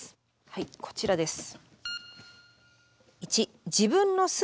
はいこちらです。